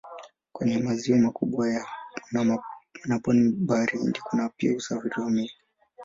Kwenye maziwa makubwa na pwani ya Bahari Hindi kuna pia usafiri wa meli.